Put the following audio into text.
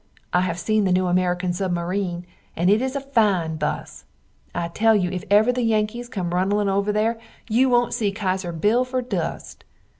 I have seen the new American submareen and it is a fine bus, I tell you if ever the Yankees come runnln over there you wont see Kaiser Bill fer dust.